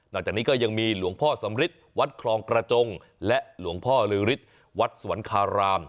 หลังจากนี้ก็ยังมีหลวงพ่อสำริทวัดคลองกระจงและหลวงพ่อลือฤทธิ์วัดสวรรคาราม